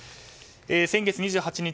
先月２８日